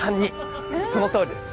そのとおりです。